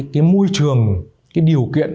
cái môi trường cái điều kiện